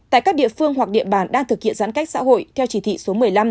tại các địa phương hoặc địa bàn đang thực hiện giãn cách xã hội theo chỉ thị số một mươi năm